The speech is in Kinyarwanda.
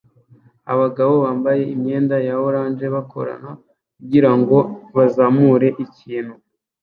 Abagabo bambaye imyenda ya orange bakorana kugirango bazamure ikintu